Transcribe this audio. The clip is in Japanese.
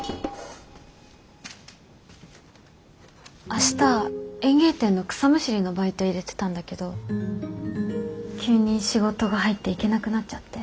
明日園芸店の草むしりのバイト入れてたんだけど急に仕事が入って行けなくなっちゃって。